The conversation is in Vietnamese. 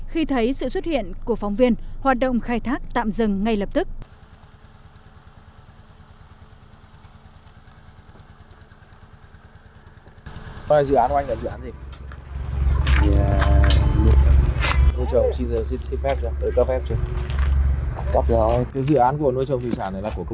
khi thấy sự xuất hiện của phóng viên hoạt động khai thác tạm dừng ngay lập tức